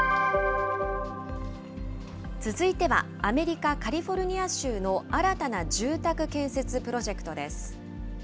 続いてはアメリカ・カリフォルニア州の新たな住宅建設プロジェクトです。